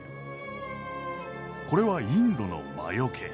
これはインドの魔よけ。